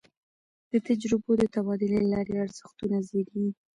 د تجربو د تبادلې له لاري ارزښتونه زېږي.